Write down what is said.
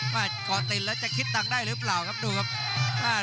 ว่าก่อติดแล้วจะคิดต่างได้หรือเปล่าครับดูครับ